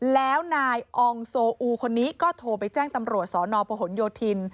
แล้วนายอองโซอูคนนี้ก็โทรไปแจ้งตำรวจสนประหลโยธิน